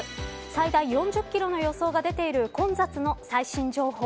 最大４０キロの予想が出ている混雑の最新情報。